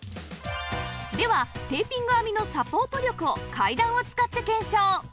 ではテーピング編みのサポート力を階段を使って検証